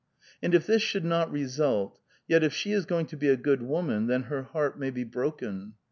And if this should uot result, yet if she is going to be a good woman, then her heart may be broken.